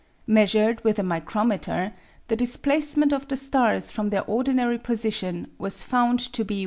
Measured with a microm eter the displacement of the stars from their ordinary positions was found to be 1.